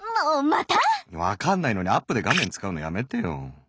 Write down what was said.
わかんないのにアップで画面使うのやめてよ！